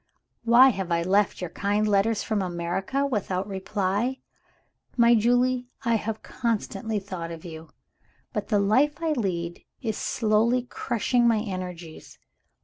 "Why have I left your kind letters from America without reply? My Julie, I have constantly thought of you; but the life I lead is slowly crushing my energies.